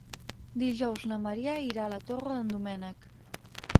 Dijous na Maria irà a la Torre d'en Doménec.